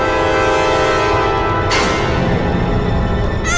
kayak dihukum dia